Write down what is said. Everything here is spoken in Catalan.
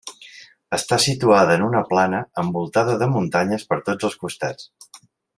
Està situada en una plana envoltada de muntanyes per tots els costats.